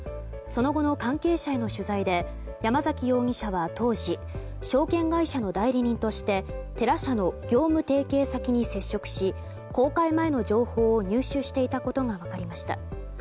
その後の関係者への取材で山崎容疑者は当時証券会社の代理人としてテラ社の業務提携先に接触し公開前の情報を入手していたことが分かりました。